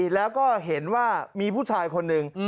แล้วก็เห็นว่ามีผู้ชายคนหนึ่ง